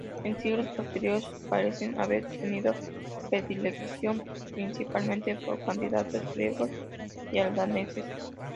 En siglos posteriores parecen haber tenido predilección principalmente por candidatos griegos y albaneses.